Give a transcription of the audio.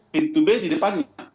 pintu b di depannya